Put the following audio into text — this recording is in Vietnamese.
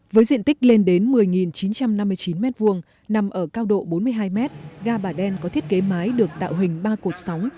với diện tích lên đến một mươi chín trăm năm mươi chín m hai nằm ở cao độ bốn mươi hai m ga bà đen có thiết kế mái được tạo hình ba cột sóng